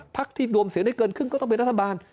พักที่รวมเสียงได้เกินครึ่งก็ต้องเป็นรัฐบาล